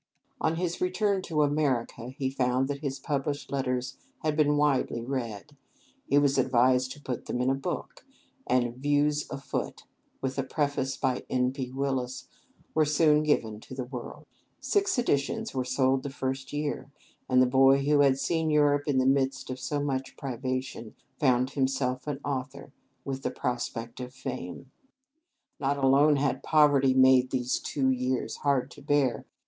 On his return to America he found that his published letters had been widely read. He was advised to put them in a book; and "Views Afoot," with a preface by N. P. Willis, were soon given to the world. Six editions were sold the first year; and the boy who had seen Europe in the midst of so much privation, found himself an author, with the prospect of fame. Not alone had poverty made these two years hard to bear.